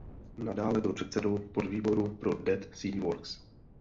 Nadále byl předsedou podvýboru pro Dead Sea Works.